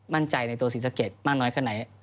มั่นใจในตัวสีสะเก็ดมากน้อยขนาดไหน